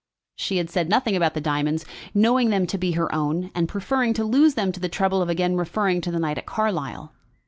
She had said nothing about the diamonds, knowing them to be her own, and preferring to lose them to the trouble of again referring to the night at Carlisle.